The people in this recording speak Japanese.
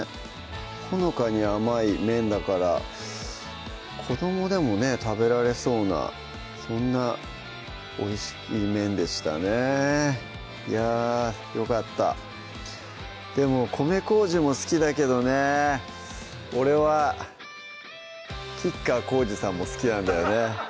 ほのかに甘い麺だから子どもでもね食べられそうなそんなおいしい麺でしたねいやよかったでも米糀も好きだけどね俺は私はきみまろ！